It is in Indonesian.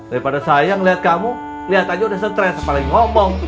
daripada saya ngeliat kamu lihat aja udah stres paling ngomong